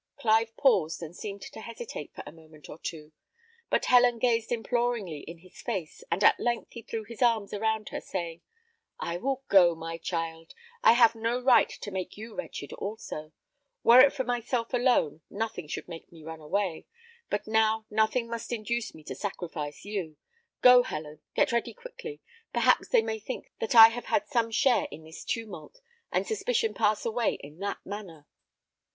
Clive paused, and seemed to hesitate for a moment or two; but Helen gazed imploringly in his face, and at length he threw his arms around her, saying, "I will go, my child; I have no right to make you wretched also. Were it for myself alone, nothing should make me run away; but now nothing must induce me to sacrifice you. Go, Helen; get ready quickly. Perhaps they may think that I have had some share in this tumult, and suspicion pass away in that manner."